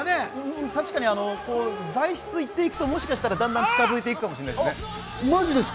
確かに材質言っていくとだんだん近づいてくかもしれないですね。